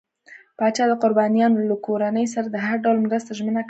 پاچا د قربانيانو له کورنۍ سره د هر ډول مرستې ژمنه کړه.